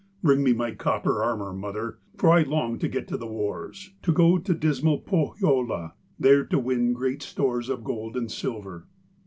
Bring me my copper armour, mother, for I long to get to the wars, to go to dismal Pohjola, there to win great stores of gold and silver.'